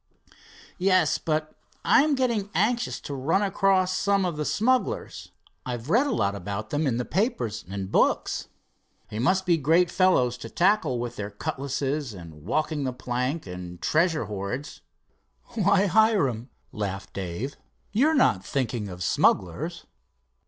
"Yes, but I'm getting anxious to run across some of the smugglers. I've read a lot about them in the papers and books. They must be great fellows to tackle, with their cutlasses, and walking the plank, and treasure hoards." "Why, Hiram," laughed Dave, "you're not thinking of smugglers."